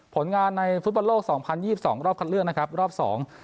ผลงานในฟุตบอลโลกสองพันยี่สิบสองรอบคัดเลือกนะครับรอบสอง